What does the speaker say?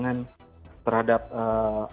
yang diberikan oleh